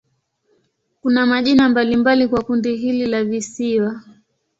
Kuna majina mbalimbali kwa kundi hili la visiwa.